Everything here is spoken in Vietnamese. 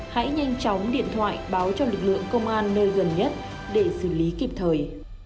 hãy nhanh chóng điện thoại báo cho lực lượng công an nơi gần nhất để xử lý kịp thời